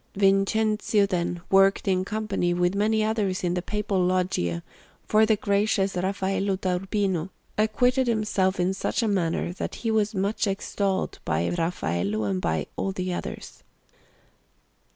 Vincenzio, then, working in company with many others in the Papal Loggie for the gracious Raffaello da Urbino, acquitted himself in such a manner that he was much extolled by Raffaello and by all the others.